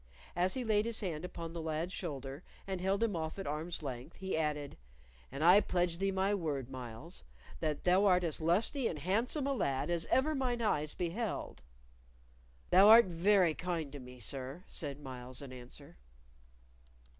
As he laid his hand upon the lad's shoulder and held him off at arm's length, he added, "And I pledge thee my word, Myles, that thou art as lusty and handsome a lad as ever mine eyes beheld." "Thou art very kind to me, sir," said Myles, in answer.